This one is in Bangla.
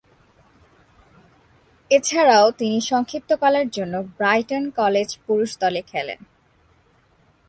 এছাড়াও তিনি সংক্ষিপ্তকালের জন্য ব্রাইটন কলেজ পুরুষ দলে খেলেন।